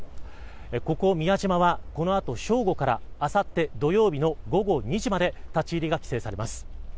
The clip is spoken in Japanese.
ここ宮島はこのあと正午から明後日土曜日の午後２時まで立ち入りが規制されます。